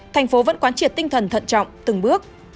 thành phố vẫn quán triệt tinh thần thận trọng từng bước